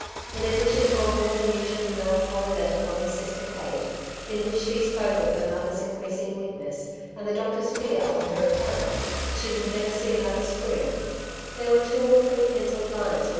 In addition to a more thati ufcuttlly melandholy letrter from his sister Kate^ in which sW Bpc^e of her mother^ s increasing weakness^ and the doctor' fc fear on her account^ that she would nevor ««je another spring, there were two or three pencilled liii% froH.